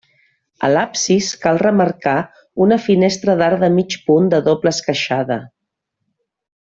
A l'absis, cal remarcar una finestra d'arc de mig punt de doble esqueixada.